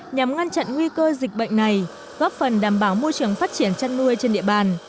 nhằm ngăn chặn nguy cơ dịch bệnh này góp phần đảm bảo môi trường phát triển chăn nuôi trên địa bàn